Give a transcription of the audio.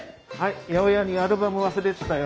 八百屋にアルバム忘れてたよ。